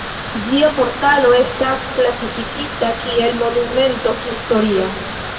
Ĝia portalo estas klasifikita kiel Monumento historia.